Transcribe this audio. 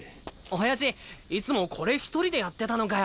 おやじいつもこれ一人でやってたのかよ。